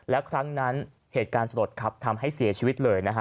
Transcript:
และครั้งนั้นเหตุการณ์สลดครับทำให้เสียชีวิตเลยนะฮะ